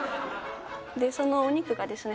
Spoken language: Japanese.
そのお肉がですね